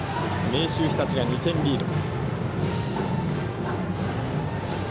明秀日立が２点リード。